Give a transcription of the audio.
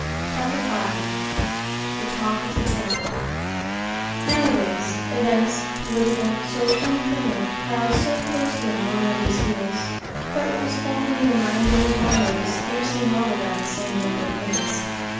CHAPTER V THE TALK OF THE TOWN Nowadays, events, political, social, and criminal, crowd so closely on one another's heels that what was formerly a nine days' wonder is scarcely marvelled at the same number of minutes.